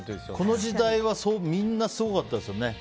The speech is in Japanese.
この時代はみんなすごかったですよね。